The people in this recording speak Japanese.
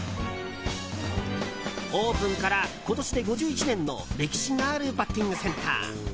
オープンから今年で５１年の歴史があるバッティングセンター。